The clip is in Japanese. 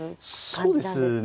感じなんですか。